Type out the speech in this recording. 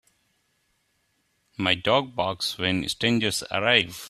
My dog barks when strangers arrive.